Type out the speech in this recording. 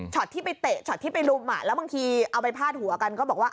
ที่ไปเตะช็อตที่ไปลุมแล้วบางทีเอาไปพาดหัวกันก็บอกว่า